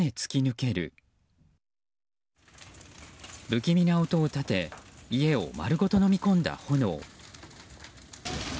不気味な音を立て家を丸ごとのみ込んだ炎。